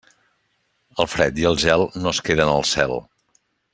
El fred i el gel no es queden al cel.